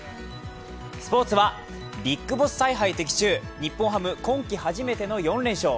スポーツはＢＩＧＢＯＳＳ采配的中日本ハム、今季初めての４連勝。